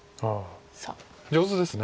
上手ですね。